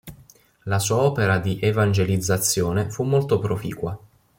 La sua opera di evangelizzazione fu molto proficua.